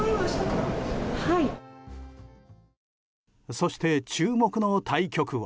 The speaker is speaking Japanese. そして、注目の対局は。